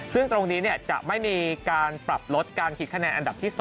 ซึ่งตรงนี้จะไม่มีการปรับลดการคิดคะแนนอันดับที่๒